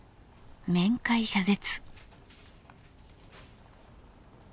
面会謝絶。